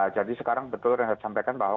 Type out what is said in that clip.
jadi sekarang betul renhard sampaikan bahwa